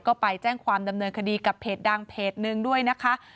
ก็ไปแจ้งความดำเนินคดีกับเพจดังเพจหนึ่งด้วยนะคะ